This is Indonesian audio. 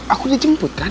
aku udah jemput kan